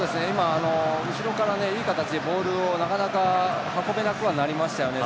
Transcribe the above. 後ろからいい形でボールをなかなか運べなくなりましたね。